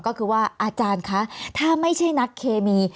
ก็คือว่าอาจารย์คะถ้าไม่ใช่นักเคมี